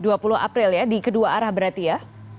dua puluh april ya di kedua arah berarti ya